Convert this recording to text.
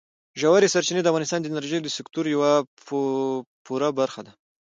ژورې سرچینې د افغانستان د انرژۍ د سکتور یوه پوره برخه ده.